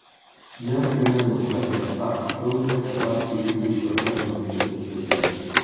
Ya en plena democracia, Park fue un destacado activista en diversas organizaciones sociales.